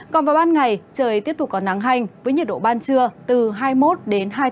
còn vào ban ngày trời tiếp tục có nắng hành với nhiệt độ ban trưa từ hai mươi một đến hai mươi bốn độ